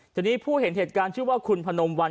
ทีนี้ผู้เห็นเหตุการณ์ชื่อว่าคุณพนมวัน